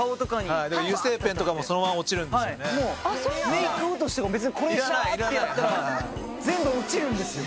メイク落としとかもこれシャ！ってやったら全部落ちるんですよ。